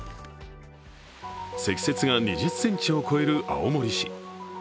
積雪が２０ｃｍを超える青森市。